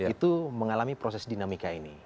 itu mengalami proses dinamika ini